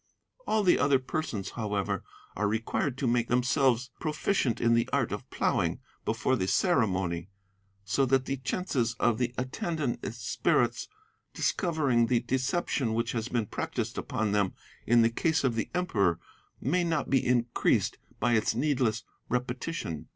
All the other persons, however, are required to make themselves proficient in the art of ploughing, before the ceremony, so that the chances of the attendant spirits discovering the deception which has been practised upon them in the case of the Emperor may not be increased by its needless repetition.